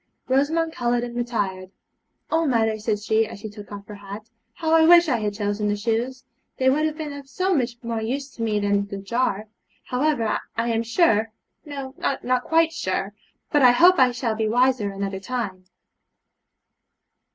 Rosamond coloured and retired. 'Oh, mother,' said she, as she took off her hat, 'how I wish that I had chosen the shoes! They would have been of so much more use to me than that jar. However, I am sure no, not quite sure, but I hope I shall be wiser another time.'